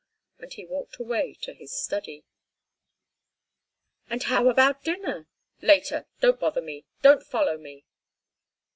And he walked away to his study. "And how about dinner?" "Later. Don't bother me! Don't follow me!"